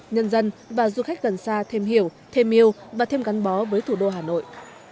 nhân dân và du khách gần xa thêm hiểu thêm yêu và thêm gắn bó với thủ đô hà nội